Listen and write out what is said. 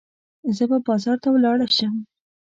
زه به بازار ته ولاړه شم.